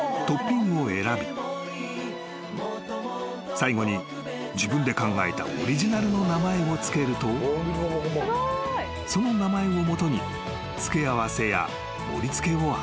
［最後に自分で考えたオリジナルの名前を付けるとその名前を基に付け合わせや盛り付けをアレンジし］